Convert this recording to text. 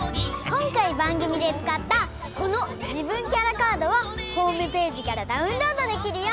こんかいばんぐみでつかったこの「じぶんキャラカード」はホームページからダウンロードできるよ。